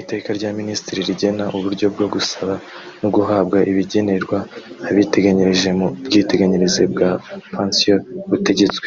Iteka rya Minisitiri rigena uburyo bwo gusaba no guhabwa ibigenerwa abiteganyirije mu bwiteganyirize bwa pansiyo butegetswe;